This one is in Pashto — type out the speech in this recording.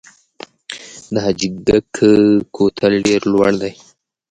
د حاجي ګک کوتل ډیر لوړ دی